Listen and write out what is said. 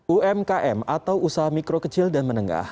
umkm atau usaha mikro kecil dan menengah